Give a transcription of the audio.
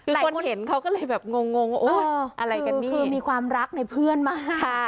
คนเห็นเขาก็เลยแบบงงว่าโอ๊ยอะไรกันนี่คือมีความรักในเพื่อนมาก